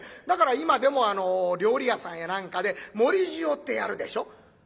だから今でも料理屋さんや何かで盛り塩ってやるでしょ？